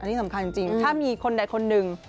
อันนี้สำคัญจริงถ้ามีคนใดคนหนึ่ง